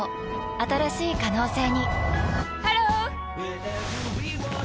新しい可能性にハロー！